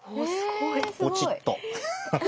ポチッと。